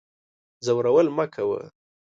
ځورول مکوه